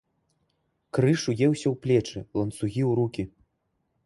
Крыж уеўся ў плечы, ланцугі у рукі!